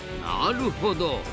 なるほど。